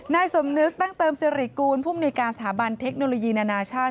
นายสมนึกตั้งเติมสิริกูลผู้มนุยการสถาบันเทคโนโลยีนานาชาติ